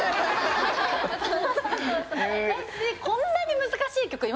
こんなに難しい曲